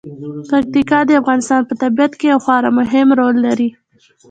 پکتیکا د افغانستان په طبیعت کې یو خورا مهم رول لري.